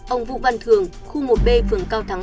ông vũ văn thường khu một b phường cao thắng